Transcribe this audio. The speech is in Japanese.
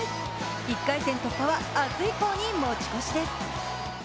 １回戦突破は明日以降に持ち越しです。